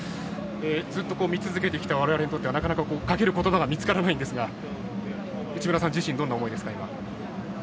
ずっと見続けてきた我々にとってはかける言葉が見つからないんですが内村さん自身は今、どんな思いですか？